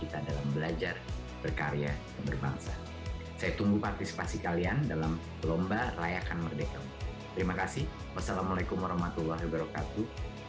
terima kasih wassalamualaikum warahmatullahi wabarakatuh